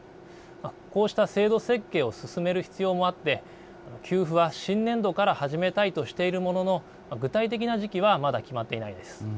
こうした制度設計を進める必要もあって給付は新年度から始めたいとしているものの具体的な時期はまだ決まっていないです。